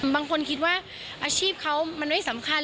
บางคนคิดว่าอาชีพเขามันไม่สำคัญ